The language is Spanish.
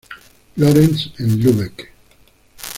Lorenz en Lübeck.